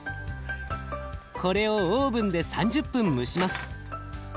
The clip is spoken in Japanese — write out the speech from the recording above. これをオーブンで３０分蒸します。